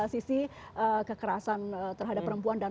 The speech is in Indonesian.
sisi kekerasan terhadap perempuan dan